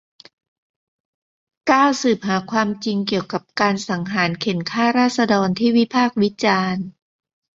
เก้า สืบหาความจริงเกี่ยวกับการสังหารเข่นฆ่าราษฎรที่วิพากษ์วิจารณ์